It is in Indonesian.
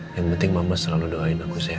yang penting mama selalu doain aku sehat